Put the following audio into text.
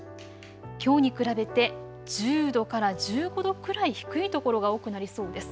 きょうに比べて１０度から１５度くらい低いところが多くなりそうです。